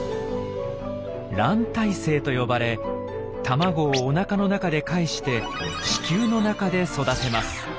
「卵胎生」と呼ばれ卵をおなかの中でかえして子宮の中で育てます。